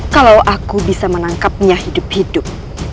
kalau aku bisa menangkapnya hidup hidup